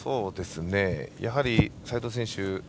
やはり斉藤選手